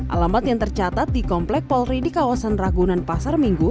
alamat yang tercatat di komplek polri di kawasan ragunan pasar minggu